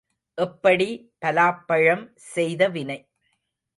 எப்படி பலாப்பழம் செய்த வினை.